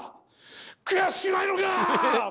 悔しくないのか！